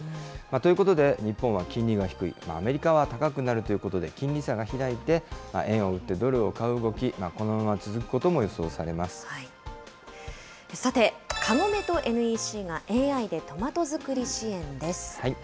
ということで、日本は金利が低い、アメリカは高くなるということで、金利差が開いて、円を売ってドルを買う動き、このまま続くこともさて、カゴメとＮＥＣがＡＩでトマト作り支援です。